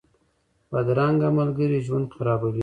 بدرنګه ملګري ژوند خرابوي